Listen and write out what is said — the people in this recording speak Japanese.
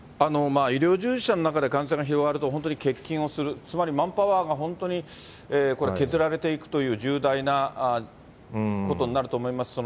医療従事者の中で感染が広がると本当に欠勤をする、つまりマンパワーが本当にこれ、削られていくという重大なことになると思います。